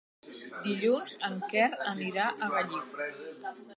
Dilluns en Quer anirà a Gallifa.